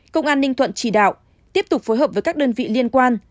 công an ninh thuận chỉ đạo tiếp tục phối hợp với các đơn vị liên quan